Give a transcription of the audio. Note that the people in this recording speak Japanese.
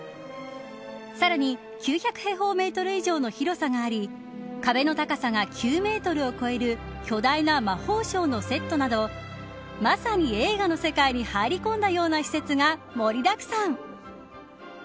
さらに９００平方メートル以上の広さがあり壁の高さが９メートルを超える巨大な魔法省のセットなどまさに映画の世界に入り込んだような施設が盛りだくさん。